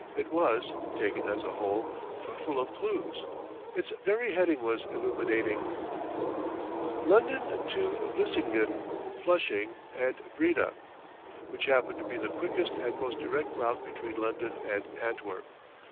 It was, taken as a whole, fruitful of clues. Its very heading was illuminating: LONDON to VLISSINGEN (FLUSHING) AND BREDA; which happened to be the quickest and most direct route between London and Antwerp.